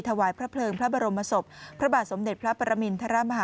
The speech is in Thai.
ถวายพระเพลิงพระบรมศพพระบาทสมเด็จพระปรมินทรมาฮา